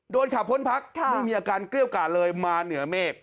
ขับพ้นพักไม่มีอาการเกลี้ยวกาดเลยมาเหนือเมฆ